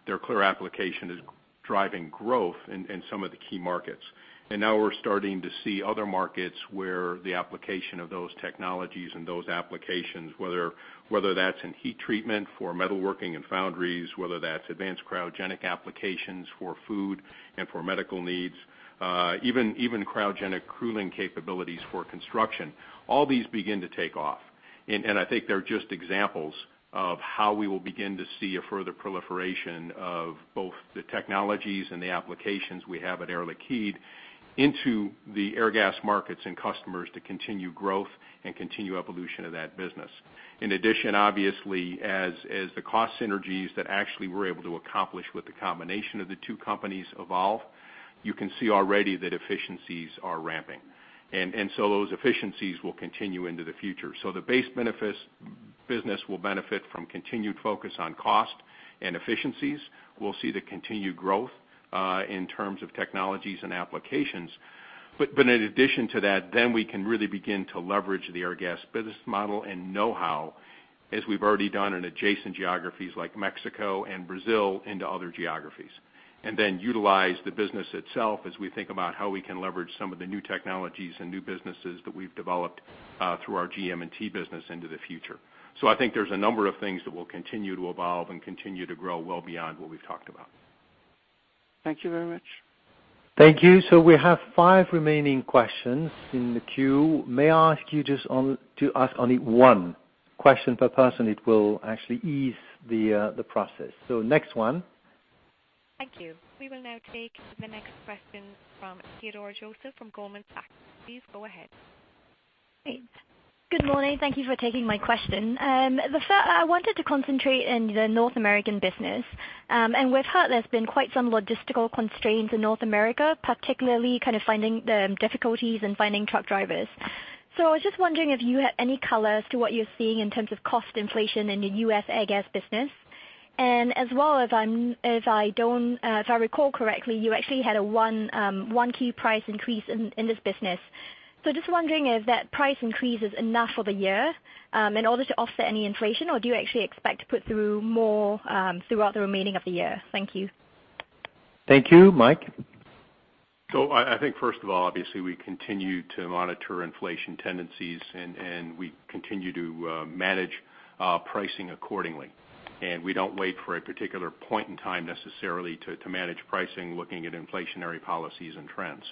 their clear application is driving growth in some of the key markets. Now we're starting to see other markets where the application of those technologies and those applications, whether that's in heat treatment for metalworking and foundries, whether that's advanced cryogenic applications for food and for medical needs Even cryogenic cooling capabilities for construction. All these begin to take off. I think they're just examples of how we will begin to see a further proliferation of both the technologies and the applications we have at L'Air Liquide into the Airgas markets and customers to continue growth and continue evolution of that business. In addition, obviously, as the cost synergies that actually we're able to accomplish with the combination of the two companies evolve, you can see already that efficiencies are ramping. Those efficiencies will continue into the future. The base business will benefit from continued focus on cost and efficiencies. We'll see the continued growth in terms of technologies and applications. In addition to that, we can really begin to leverage the Airgas business model and know-how, as we've already done in adjacent geographies like Mexico and Brazil into other geographies. Utilize the business itself as we think about how we can leverage some of the new technologies and new businesses that we've developed through our GM&T business into the future. I think there's a number of things that will continue to evolve and continue to grow well beyond what we've talked about. Thank you very much. Thank you. We have five remaining questions in the queue. May I ask you just to ask only one question per person. It will actually ease the process. Next one. Thank you. We will now take the next question from Theodora Joseph from Goldman Sachs. Please go ahead. Great. Good morning. Thank you for taking my question. I wanted to concentrate in the North American business. We've heard there's been quite some logistical constraints in North America, particularly kind of finding the difficulties in finding truck drivers. I was just wondering if you had any color as to what you're seeing in terms of cost inflation in the U.S. Airgas business, and as well if I recall correctly, you actually had one key price increase in this business. Just wondering if that price increase is enough for the year, in order to offset any inflation, or do you actually expect to put through more, throughout the remaining of the year? Thank you. Thank you, Mike? I think first of all, obviously we continue to monitor inflation tendencies, we continue to manage pricing accordingly. We don't wait for a particular point in time necessarily to manage pricing looking at inflationary policies and trends.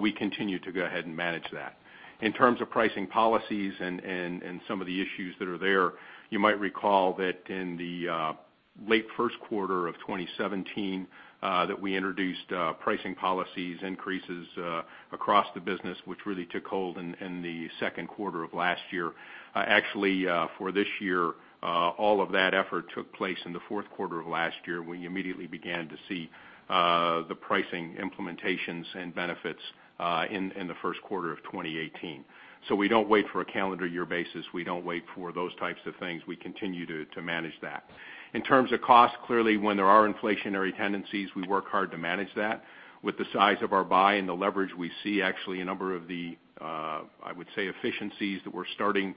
We continue to go ahead and manage that. In terms of pricing policies and some of the issues that are there, you might recall that in the late first quarter of 2017, that we introduced pricing policies increases, across the business, which really took hold in the second quarter of last year. Actually, for this year, all of that effort took place in the fourth quarter of last year. We immediately began to see the pricing implementations and benefits, in the first quarter of 2018. We don't wait for a calendar year basis. We don't wait for those types of things. We continue to manage that. In terms of cost, clearly, when there are inflationary tendencies, we work hard to manage that. With the size of our buy and the leverage we see actually a number of the, I would say efficiencies that we're starting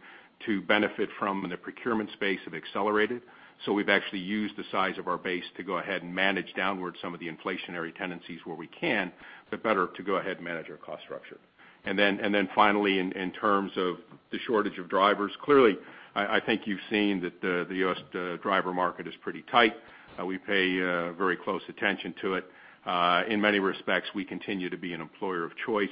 to benefit from in the procurement space have accelerated. We've actually used the size of our base to go ahead and manage downward some of the inflationary tendencies where we can, but better to go ahead and manage our cost structure. Finally, in terms of the shortage of drivers, clearly, I think you've seen that the U.S. driver market is pretty tight. We pay very close attention to it. In many respects, we continue to be an employer of choice.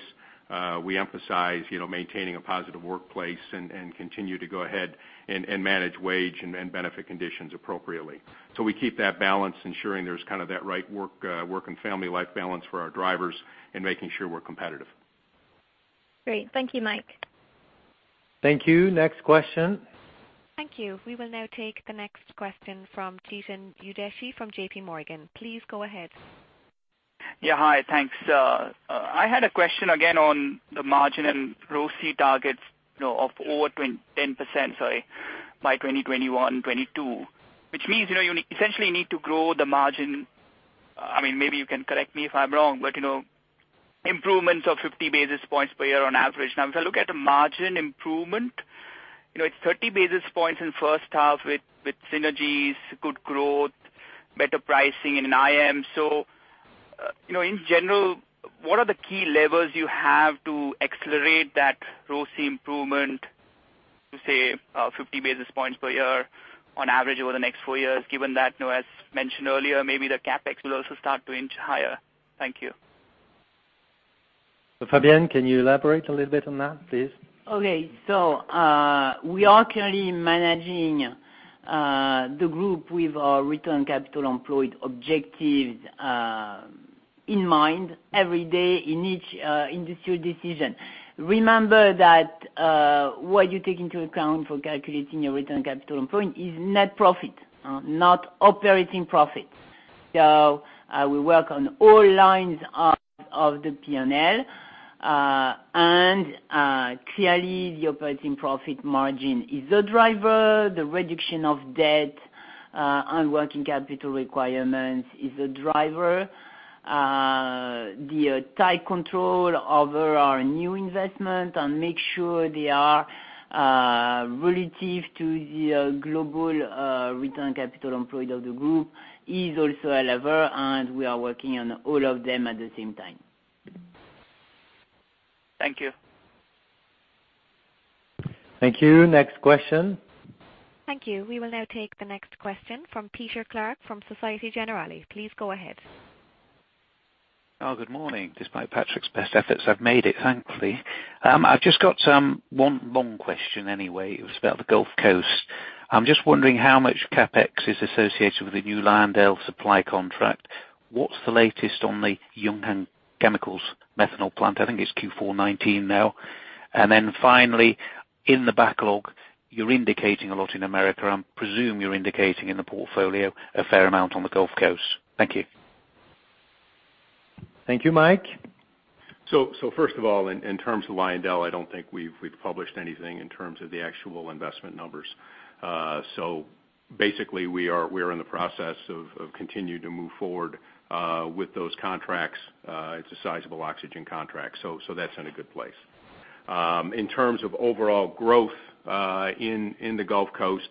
We emphasize maintaining a positive workplace and continue to go ahead and manage wage and benefit conditions appropriately. We keep that balance, ensuring there's kind of that right work and family life balance for our drivers and making sure we're competitive. Great. Thank you, Mike. Thank you. Next question. Thank you. We will now take the next question from Chetan Udeshi from JPMorgan. Please go ahead. Yeah. Hi. Thanks. I had a question again on the margin and ROCE targets of over 10% by 2021, 2022, which means you essentially need to grow the margin. Maybe you can correct me if I'm wrong, but improvements of 50 basis points per year on average. Now, if I look at the margin improvement, it's 30 basis points in first half with synergies, good growth, better pricing in IM. In general, what are the key levers you have to accelerate that ROCE improvement to, say, 50 basis points per year on average over the next four years, given that, as mentioned earlier, maybe the CapEx will also start to inch higher. Thank you. Fabienne, can you elaborate a little bit on that, please? We are currently managing the group with our return capital employed objectives in mind every day in each industrial decision. Remember that, what you take into account for calculating your return capital employed is net profit, not operating profit. We work on all lines of the P&L. Clearly the operating profit margin is a driver. The reduction of debt and working capital requirements is a driver. The tight control over our new investment and make sure they are relative to the global return capital employed of the group is also a lever and we are working on all of them at the same time. Thank you. Thank you. Next question. Thank you. We will now take the next question from Peter Clark from Societe Generale. Please go ahead. Good morning. Despite Patrick's best efforts, I have made it, thankfully. I have just got one long question anyway. It was about the Gulf Coast. I am just wondering how much CapEx is associated with the new LyondellBasell supply contract. What is the latest on the Yuhuang Chemical methanol plant? I think it is Q4 2019 now. Finally, in the backlog, you are indicating a lot in America. I presume you are indicating in the portfolio a fair amount on the Gulf Coast. Thank you. Thank you, Mike. First of all, in terms of Lyondell, I do not think we have published anything in terms of the actual investment numbers. Basically, we are in the process of continuing to move forward with those contracts. It is a sizable oxygen contract, so that is in a good place. In terms of overall growth in the Gulf Coast,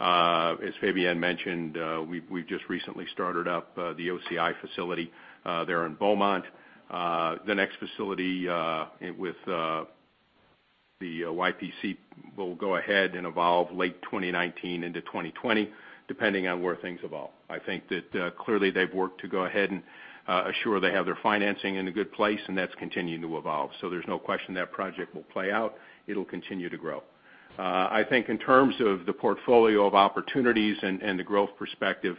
as Fabienne mentioned, we have just recently started up the OCI facility there in Beaumont. The next facility with the YPC will go ahead and evolve late 2019 into 2020, depending on where things evolve. I think that clearly they have worked to go ahead and assure they have their financing in a good place, and that is continuing to evolve. There is no question that project will play out. It will continue to grow. I think in terms of the portfolio of opportunities and the growth perspective,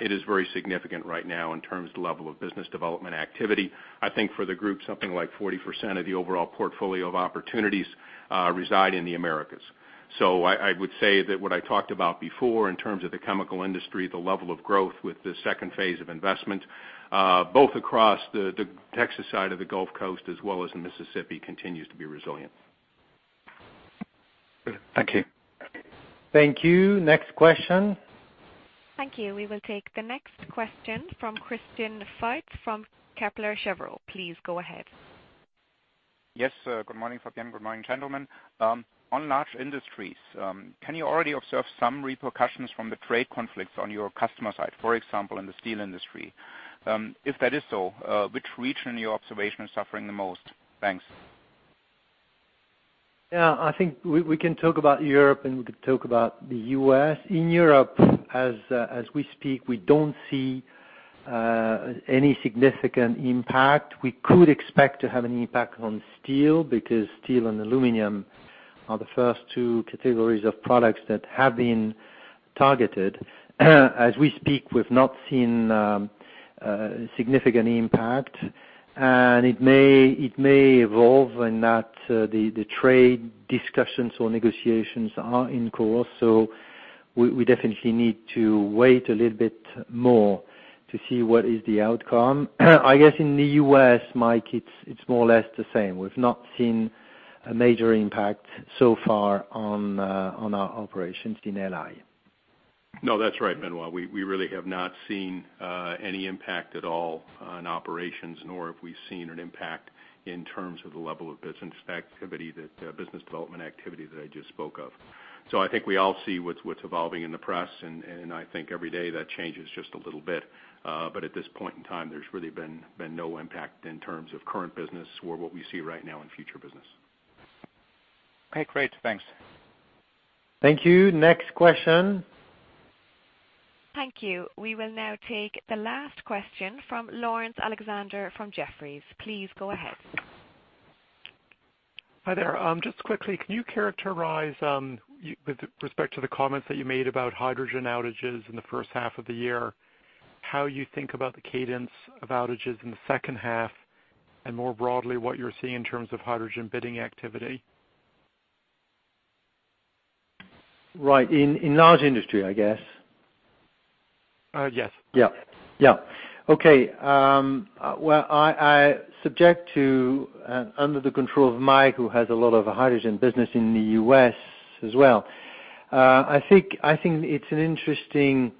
it is very significant right now in terms of the level of business development activity. I think for the group, something like 40% of the overall portfolio of opportunities reside in the Americas. I would say that what I talked about before in terms of the chemical industry, the level of growth with the second phase of investment, both across the Texas side of the Gulf Coast as well as in Mississippi, continues to be resilient. Good. Thank you. Thank you. Next question. Thank you. We will take the next question from Christian Faitz from Kepler Cheuvreux. Please go ahead. Yes. Good morning, Fabienne. Good morning, gentlemen. On large industries, can you already observe some repercussions from the trade conflicts on your customer side, for example, in the steel industry? If that is so, which region, in your observation, is suffering the most? Thanks. Yeah, I think we can talk about Europe and we can talk about the U.S. In Europe, as we speak, we don't see any significant impact. We could expect to have an impact on steel, because steel and aluminum are the first two categories of products that have been targeted. As we speak, we've not seen a significant impact, and it may evolve in that the trade discussions or negotiations are in course. We definitely need to wait a little bit more to see what is the outcome. I guess in the U.S., Mike, it's more or less the same. We've not seen a major impact so far on our operations in LI. No, that's right, Benoît. We really have not seen any impact at all on operations, nor have we seen an impact in terms of the level of business development activity that I just spoke of. I think we all see what's evolving in the press, and I think every day that changes just a little bit. At this point in time, there's really been no impact in terms of current business or what we see right now in future business. Okay, great. Thanks. Thank you. Next question. Thank you. We will now take the last question from Laurence Alexander from Jefferies. Please go ahead. Hi there. Just quickly, can you characterize, with respect to the comments that you made about hydrogen outages in the first half of the year, how you think about the cadence of outages in the second half, and more broadly, what you're seeing in terms of hydrogen bidding activity? Right. In large industry, I guess. Yes. Yeah. Okay. Well, subject to and under the control of Mike, who has a lot of hydrogen business in the U.S. as well. I think it's an interesting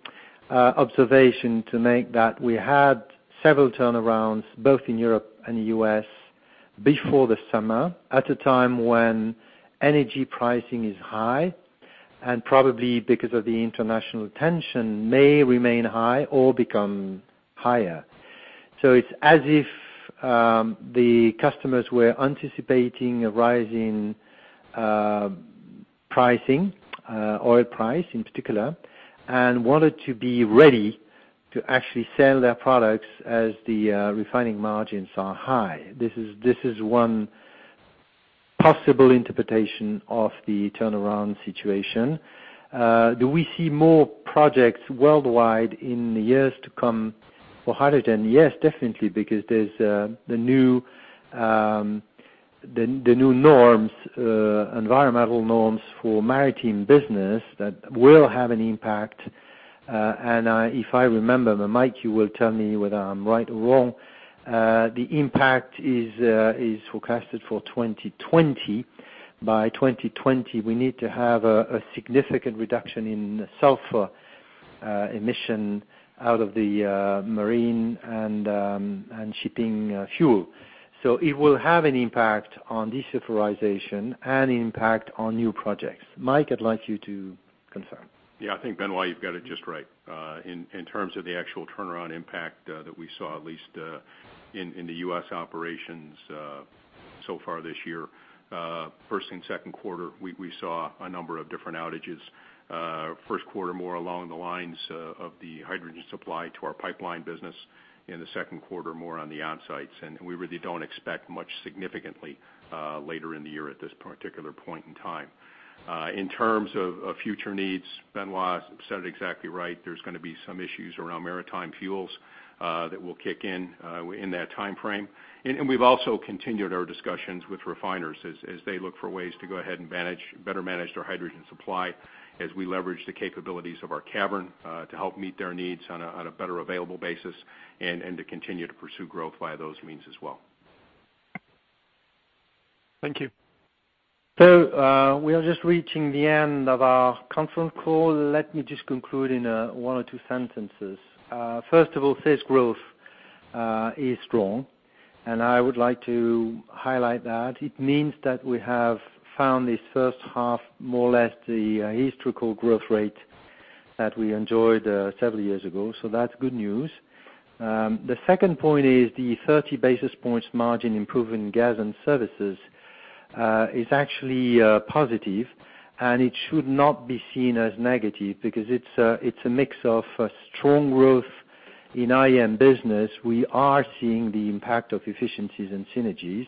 observation to make that we had several turnarounds both in Europe and the U.S. before the summer, at a time when energy pricing is high, and probably because of the international tension, may remain high or become higher. It's as if the customers were anticipating a rise in pricing, oil price in particular, and wanted to be ready to actually sell their products as the refining margins are high. This is one possible interpretation of the turnaround situation. Do we see more projects worldwide in the years to come for hydrogen? Yes, definitely, because there's the new environmental norms for maritime business that will have an impact. If I remember, Mike, you will tell me whether I'm right or wrong. The impact is forecasted for 2020. By 2020, we need to have a significant reduction in sulfur emission out of the marine and shipping fuel. It will have an impact on desulfurization and impact on new projects. Mike, I'd like you to confirm. Yeah, I think, Benoît, you've got it just right. In terms of the actual turnaround impact that we saw, at least in the U.S. operations so far this year. First and second quarter, we saw a number of different outages. First quarter more along the lines of the hydrogen supply to our pipeline business, in the second quarter more on the on-sites. We really don't expect much significantly later in the year at this particular point in time. In terms of future needs, Benoît said it exactly right, there's going to be some issues around maritime fuels that will kick in that timeframe. We've also continued our discussions with refiners as they look for ways to go ahead and better manage their hydrogen supply as we leverage the capabilities of our cavern to help meet their needs on a better available basis, and to continue to pursue growth via those means as well. Thank you. We are just reaching the end of our conference call. Let me just conclude in one or two sentences. First of all, sales growth is strong. I would like to highlight that. It means that we have found this first half, more or less, the historical growth rate that we enjoyed several years ago. That's good news. The second point is the 30 basis points margin improvement in Gas and Services is actually positive. It should not be seen as negative because it's a mix of strong growth in IM business. We are seeing the impact of efficiencies and synergies.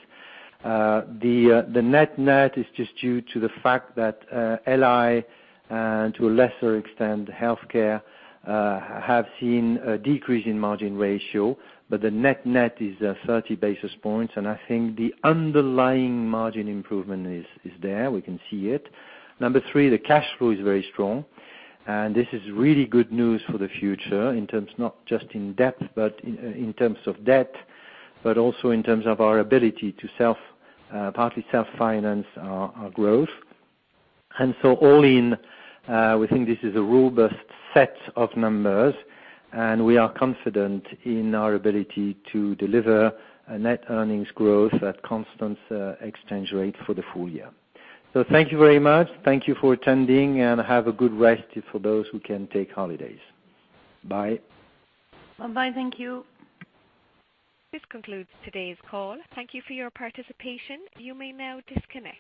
The net-net is just due to the fact that LI and, to a lesser extent, Home Healthcare, have seen a decrease in margin ratio. The net-net is 30 basis points. I think the underlying margin improvement is there. We can see it. Number three, the cash flow is very strong. This is really good news for the future, not just in terms of debt, but also in terms of our ability to partly self-finance our growth. All in, we think this is a robust set of numbers. We are confident in our ability to deliver a net earnings growth at constant exchange rate for the full year. Thank you very much. Thank you for attending. Have a good rest for those who can take holidays. Bye. Bye-bye. Thank you. This concludes today's call. Thank you for your participation. You may now disconnect.